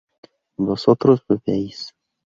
vosotros bebéis